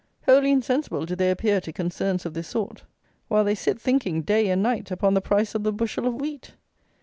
Wholly insensible do they appear to concerns of this sort, while they sit thinking, day and night, upon the price of the bushel of wheat!